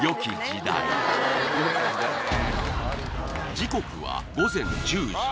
時刻は午前１０時